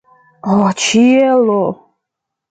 Ho, ĉielo!